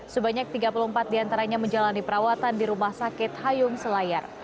sebanyak tiga puluh empat diantaranya menjalani perawatan di rumah sakit hayung selayar